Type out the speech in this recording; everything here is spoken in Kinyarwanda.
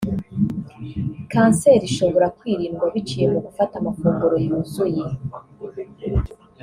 Kanseri ishobora kwirindwa biciye mu gufata amafunguro yuzuye